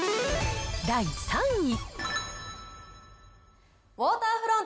第３位。